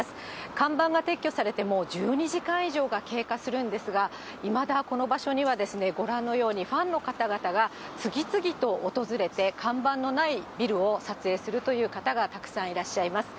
看板が撤去されてもう１２時間以上が経過するんですが、いまだこの場所には、ご覧のようにファンの方々が、次々と訪れて、看板のないビルを撮影するという方がたくさんいらっしゃいます。